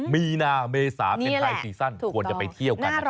มีนาเมษาเป็นไทยซีซั่นควรจะไปเที่ยวกันนะครับ